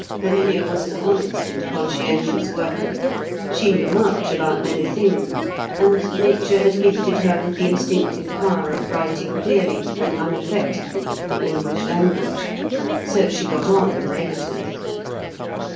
Herminia was an honest and conscientious worker; she knew much about many things; and nature had gifted her with the instinctive power of writing clearly and unaffectedly the English language. So she got on with editors.